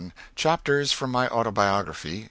CHAPTERS FROM MY AUTOBIOGRAPHY.